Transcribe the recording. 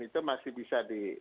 itu masih bisa di